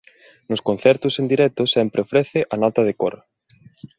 Nos concertos en directo sempre ofrece a nota de cor.